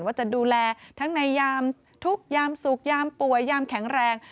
ว่าจะดูแลทั้งในยามทุกข์ยามสุขยามป่วยยามแข็งแรง